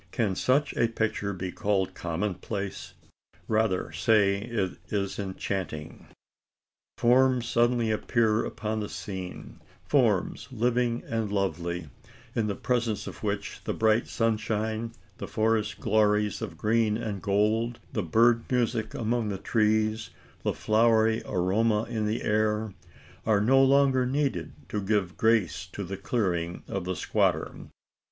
Can such a picture be called commonplace? Rather say it is enchanting. Forms suddenly appear upon the scene forms living and lovely in the presence of which the bright sunshine, the forest glories of green and gold, the bird music among the trees, the flowery aroma in the air, are no longer needed to give grace to the clearing of the squatter.